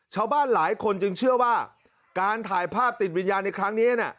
ชาวบ้านหลายคนจึงเชื่อว่าการถ่ายภาพติดวิญญาณในครั้งนี้